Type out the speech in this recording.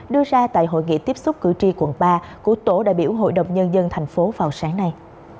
đưa ra tại hội nghị tiếp xúc cử tri quận ba của tổ đại biểu hội đồng nhân dân thành phố vào sáng nay